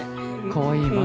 かわいいな。